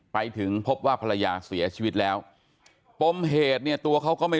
ไปถึงพบว่าภรรยาเสียชีวิตแล้วปมเหตุเนี่ยตัวเขาก็ไม่